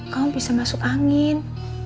kamu bisa masuk angin